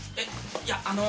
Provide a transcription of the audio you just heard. いやあの。